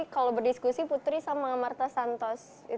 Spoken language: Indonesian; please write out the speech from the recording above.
kalau berdiskusi putri sama marta santos